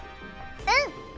うん！